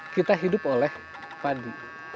kita hidup oleh padi